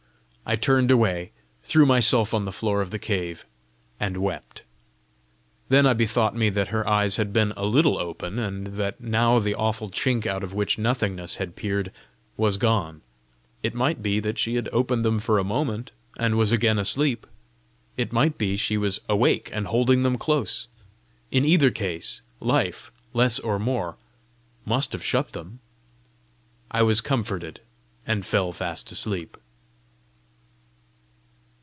I turned away, threw myself on the floor of the cave, and wept. Then I bethought me that her eyes had been a little open, and that now the awful chink out of which nothingness had peered, was gone: it might be that she had opened them for a moment, and was again asleep! it might be she was awake and holding them close! In either case, life, less or more, must have shut them! I was comforted, and fell fast asleep.